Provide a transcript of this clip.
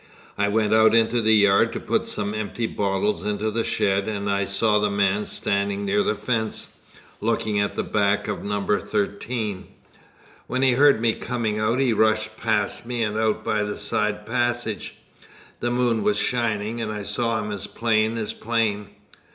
I went out into the yard to put some empty bottles into the shed, and I saw the man standing near the fence, looking at the back of No. 13. When he heard me coming out he rushed past me and out by the side passage. The moon was shining, and I saw him as plain as plain."